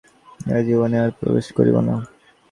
উদয়াদিত্য মনে করিলেন এ-বাড়িতে এ জীবনে আর প্রবেশ করিব না।